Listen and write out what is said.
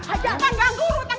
hajar tangga guru tangga orang